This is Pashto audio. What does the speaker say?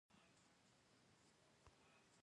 له یوې خوا خیریه او ښه کارونه وینو.